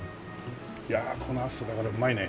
いやこの暑さだからうまいね！